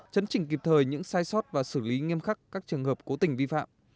chấn chỉnh kịp thời những sai sót và xử lý nghiêm khắc các trường hợp cố tình vi phạm